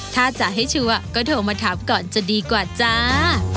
ถ้าจะให้ชัวร์ก็โทรมาถามก่อนจะดีกว่าจ้า